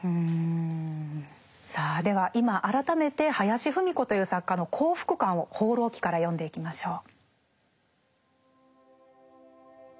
さあでは今改めて林芙美子という作家の幸福感を「放浪記」から読んでいきましょう。